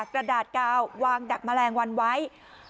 กระดาษกาววางดักแมลงวันไว้